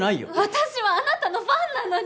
私はあなたのファンなのに！